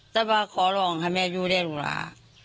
แต่ว่าขอร้องให้แม่อยู่ได้รู้รา